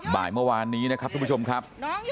บ่ายเมื่อวานนี้นะครับทุกผู้ชมครับ